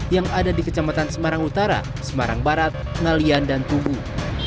yang ada di kecamatan semarang utara semarang barat ngalian dan tubuh